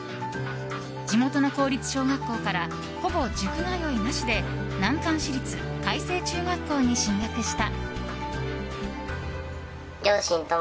地元の公立小学校からほぼ塾通いなしで難関私立、開成中学校に進学した。